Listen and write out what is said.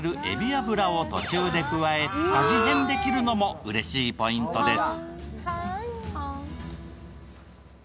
油を途中で加え、味変できるのもうれしいポイントです。